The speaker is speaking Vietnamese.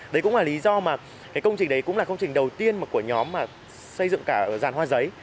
đấy cũng là lý do mà cái công trình đấy cũng là công trình đầu tiên của nhóm mà xây dựng cả ràn hoa giấy